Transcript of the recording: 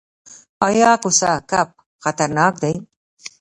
ایا کوسه کب خطرناک دی؟